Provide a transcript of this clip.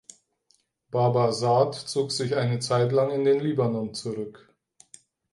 Baba Saad zog sich eine Zeit lang in den Libanon zurück.